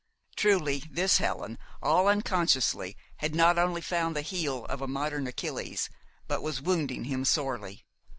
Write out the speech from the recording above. Truly this Helen, all unconsciously, had not only found the heel of a modern Achilles, but was wounding him sorely.